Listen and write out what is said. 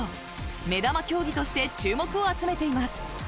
目玉競技として注目を集めています。